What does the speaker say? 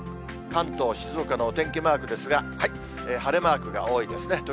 関東、静岡のお天気マークですが、晴れマークが多いですね。